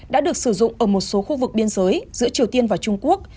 đã được sử dụng ở một số khu vực biên giới giữa triều tiên và trung quốc